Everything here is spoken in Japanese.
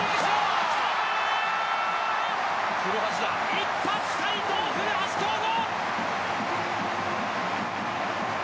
一発回答、古橋亨梧。